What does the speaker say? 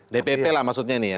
dpp lah maksudnya ini ya